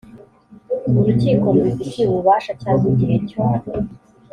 urukiko rubifitiye ububasha cyangwa igihe cyo